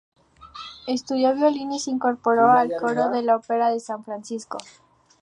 Estudió violín y se incorporó al coro de la Opera de San Francisco.